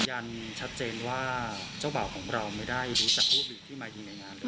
ยันชัดเจนว่าเจ้าบ่าวของเราไม่ได้รู้จักผู้ผลิตที่มายิงในงานเลย